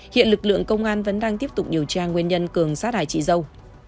hiện lực lượng công an vẫn đang tiếp tục điều tra nguyên nhân cường sát hại chị dâu